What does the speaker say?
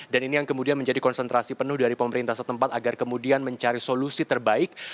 dan ini yang kemudian menjadi konsentrasi penuh dari pemerintah setempat agar kemudian mencari solusi terbaik